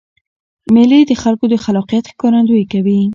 مېلې د خلکو د خلاقیت ښکارندویي کوي.